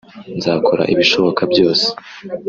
nzakora ibishoboka byose